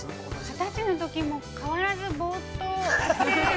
◆２０歳のとき、変わらずぼうっとして。